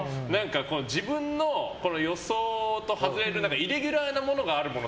自分の予想と外れるイレギュラーなものがあるもの